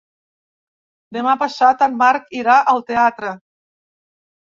Demà passat en Marc irà al teatre.